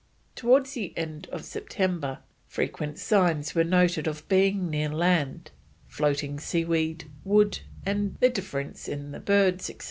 Towards the end of September frequent signs were noted of being near land, floating seaweed, wood, the difference in the birds, etc.